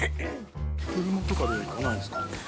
車とかで行かないんですか？